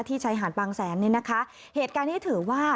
ที่ชายหาดปังแสนเนี่ยนะคะเหตุการณ์นี้เถอะว่า